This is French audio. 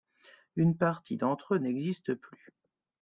Une partie d'entre eux n'existent plus.